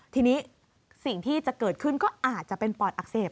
ทีนี้สิ่งที่จะเกิดขึ้นก็อาจจะเป็นปอดอักเสบ